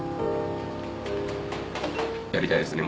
やりたいですね